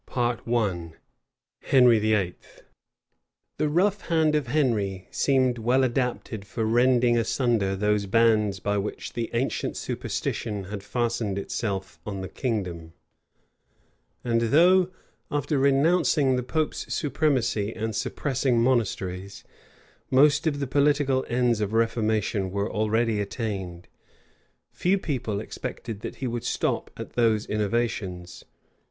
CHAPTER XXXII. HENRY VIII. {1538.} THE rough hand of Henry seemed well adapted for rending asunder those bands by which the ancient superstition had fastened itself on the kingdom; and though, after renouncing the pope's supremacy and suppressing monasteries, most of the political ends of reformation were already attained, few people expected that he would stop at those innovations.